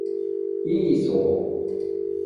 イーソー